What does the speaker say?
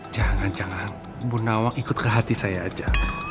jangan jangan bu nawang ikut ke hati saya aja